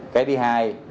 cái thứ hai